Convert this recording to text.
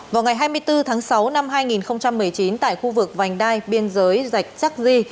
vào ngày hai mươi bốn tháng sáu năm hai nghìn một mươi chín tại khu vực vành đai biên giới rạch chắc di